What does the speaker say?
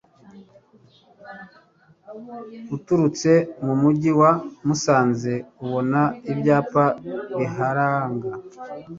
uturutse mu mugi wa Musanze ubona ibyapa biharanga